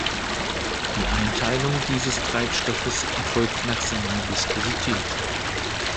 Die Einteilung dieses Treibstoffes erfolgt nach seiner Viskosität.